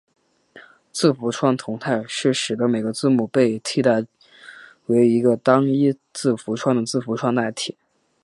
字符串同态是使得每个字母被替代为一个单一字符串的字符串代换。